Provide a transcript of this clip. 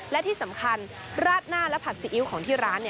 และที่สำคัญราดหน้าและผัดซีอิ๊วของที่ร้าน